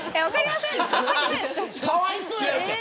かわいそうやわ。